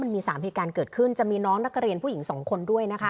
มันมี๓เหตุการณ์เกิดขึ้นจะมีน้องและกระเรนผู้หญิง๒คนด้วย